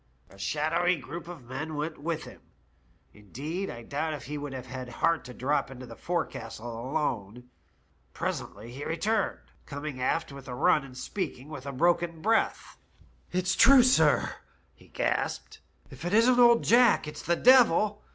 A shadowy group of men went with him ; indeed, I doubt if he would have had heart to drop into the forecastle alone. Pre sently he returned, coming aft with a run and speaking with a broken breath. "* It's true, sir,' he gasped, ' if it isn't old Jack, it's the devil.